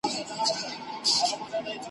په هغه ګړي له لاري را ګوښه سول ,